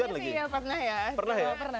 dulu ya sih ya pernah ya